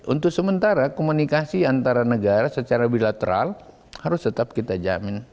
untuk sementara komunikasi antara negara secara bilateral harus tetap kita jamin